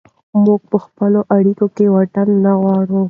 موږ په خپلو اړیکو کې واټن نه غواړو.